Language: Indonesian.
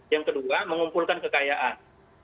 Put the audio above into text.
yang kedua mengumpulkan kekayaan